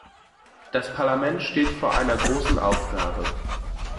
Das Parlament steht vor einer großen Aufgabe.